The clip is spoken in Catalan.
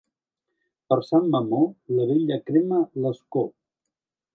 Per Sant Mamó la vella crema l'escó.